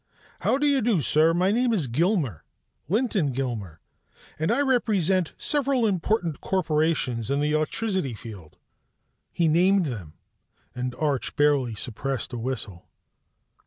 "How do you do, sir. My name is Gilmer, Linton Gilmer, and I represent several important corporations in the electricity field." He named them, and Arch barely suppressed a whistle.